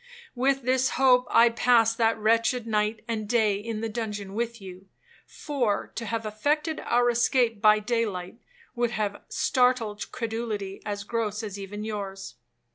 With this hope I passed that wretched night and day in the dungeon with you, for, to have effected our escape by daylight, would have startled credulity as gross as even yours.